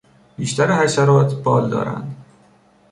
بیشتر حشرات بال دارند.